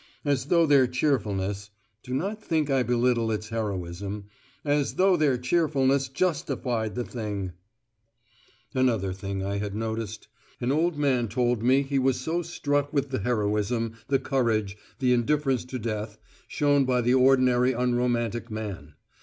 As though their cheerfulness (do not think I belittle its heroism) as though their cheerfulness justified the thing! Another thing I had noticed. An old man told me he was so struck with the heroism, the courage, the indifference to death, shown by the ordinary unromantic man.